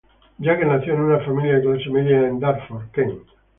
Jagger nació en una familia de clase media en Dartford, Kent.